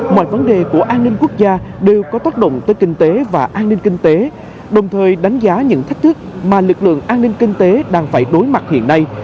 mọi vấn đề của an ninh quốc gia đều có tác động tới kinh tế và an ninh kinh tế đồng thời đánh giá những thách thức mà lực lượng an ninh kinh tế đang phải đối mặt hiện nay